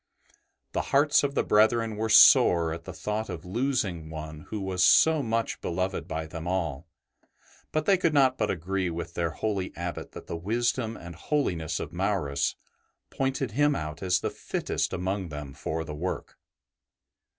The hearts of the brethren were sore at the thought of losing one who was so much beloved by them all, but they could not but agree with their holy Abbot that the wisdom and holiness of Maurus pointed him out as the fittest among them for the work.